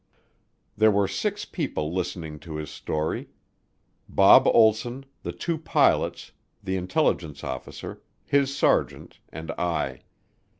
There were six people listening to his story. Bob Olsson, the two pilots, the intelligence officer, his sergeant, and I.